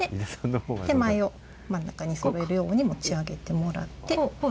手前を真ん中にそえるように持ち上げてもらって。